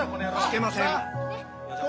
聞けません。